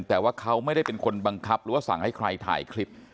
แต่ว่าเขาไม่ได้เป็นคนบังคับหรือว่าสั่งให้ใครถ่ายคลิป